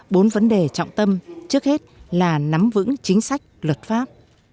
bốn vấn đề trọng tâm trước hết là nắm vững chính sách luật pháp